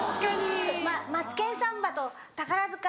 『マツケンサンバ』と宝塚。